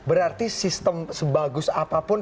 berarti sistem sebagus apapun